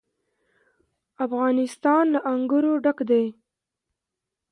افغانستان له انګور ډک دی.